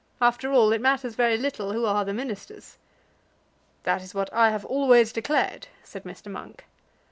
After all, it matters very little who are the Ministers." "That is what I have always declared," said Mr. Monk.